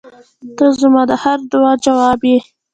• ته زما د هر دعا جواب یې.